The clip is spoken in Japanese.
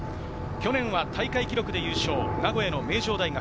去年は大会記録で優勝、名古屋の名城大学。